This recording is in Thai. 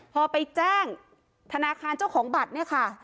พอไปแจ้งธนาคารเจ้าของบัตรเนี่ยค่ะ